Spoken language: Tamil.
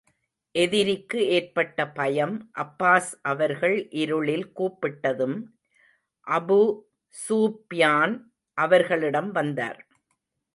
எதிரிக்கு ஏற்பட்ட பயம் அப்பாஸ் அவர்கள் இருளில் கூப்பிட்டதும், அபூ ஸுப்யான், அவர்களிடம் வந்தார்.